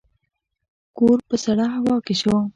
کور په سړه هوا کې شو.